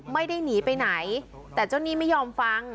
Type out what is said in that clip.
ไม่ได้หนีไปไหนแต่เจ้าหนี้ไม่ยอมฟัง